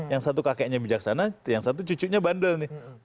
yang satu kakeknya bijaksana yang satu cucunya bandel nih